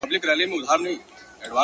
هغه به چيري اوسي باران اوري ـ ژلۍ اوري ـ